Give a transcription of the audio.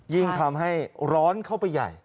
ยิ่งทำให้ร้อนเข้าไปใหญ่